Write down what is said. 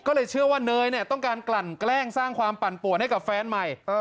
ก็เลยเชื่อว่าเนยเนี่ยต้องการกลั่นแกล้งสร้างความปั่นป่วนให้กับแฟนใหม่